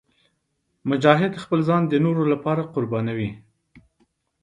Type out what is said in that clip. مجاهد خپل ځان د نورو لپاره قربانوي.